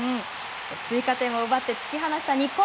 追加点を奪って突き放した日本。